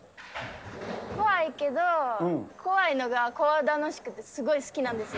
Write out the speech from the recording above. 怖いけど、怖いのが怖楽しくて、すごい好きなんですよ。